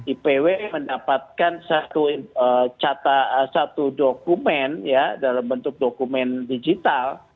ipw mendapatkan satu cata satu dokumen ya dalam bentuk dokumen digital